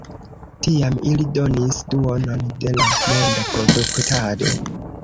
Tiam ili donis duonon de la monda produktado.